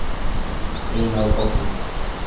এই নাও কফি।